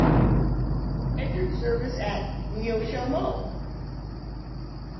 Entered service at: Neosho, Mo.